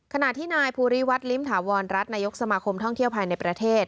ขณะที่นายภูริวัฒน์ลิ้มถาวรรัฐนายกสมาคมท่องเที่ยวภายในประเทศ